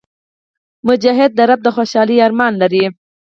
مجاهد د رب د خوشحالۍ ارمان لري.